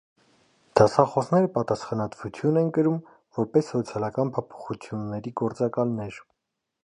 Դասախոսները պատասխանատվություն են կրում՝ որպես սոցիալական փոփոխությունների գործակալներ։